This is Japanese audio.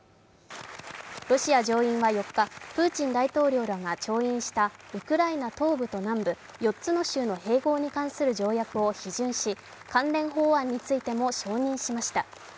ロシア上院は４日、プーチン大統領らが調印したウクライナ東部と南部４つの州の併合に関する条約を批准し関連法案についても承認しました。